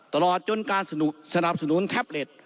ตลอดจนการสนับสนุนแท็บเล็ต